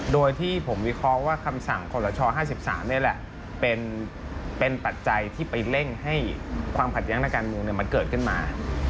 โดยที่ผมวิเคราะห์ว่าคำสั่งขอสช๕๓นี่แหละเป็นปัจจัยที่ไปเร่งให้ความขัดแย้งทางการเมืองมันเกิดขึ้นมา